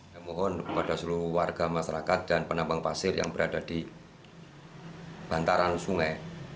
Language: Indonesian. saya mohon kepada seluruh warga masyarakat dan penambang pasir yang berada di bantaran sungai